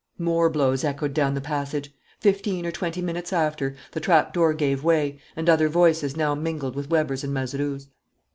More blows echoed down the passage. Fifteen or twenty minutes after, the trapdoor gave way, and other voices now mingled with Weber's and Mazeroux's.